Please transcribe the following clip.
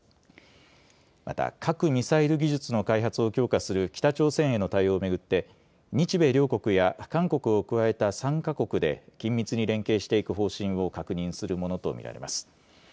また核・ミサイル技術の開発を強化する北朝鮮への対応を巡って日米両国や韓国を加えた３か国で緊密に連携していく方針を確認するものと見られます。